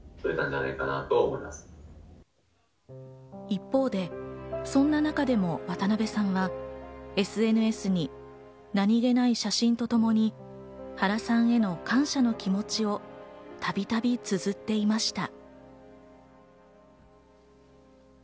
一方で、そんな中でも渡辺さんはＳＮＳに何気ない写真とともに原さんへの感謝の気持ちをたびたび綴っていました。